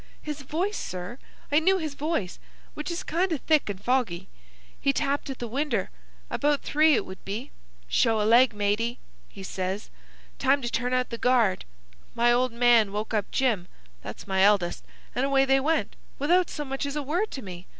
"His voice, sir. I knew his voice, which is kind o' thick and foggy. He tapped at the winder,—about three it would be. 'Show a leg, matey,' says he: 'time to turn out guard.' My old man woke up Jim,—that's my eldest,—and away they went, without so much as a word to me.